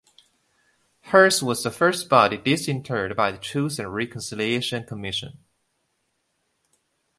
Hers was the first body disinterred by the Truth and Reconciliation commission.